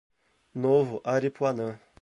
Novo Aripuanã